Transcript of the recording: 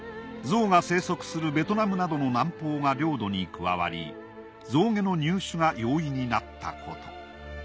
象が生息するベトナムなどの南方が領土に加わり象牙の入手が容易になったこと。